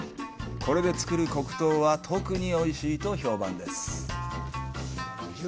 これで作る黒糖は特においしいと評判です。